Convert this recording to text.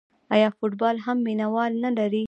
آیا فوتبال هم مینه وال نلري؟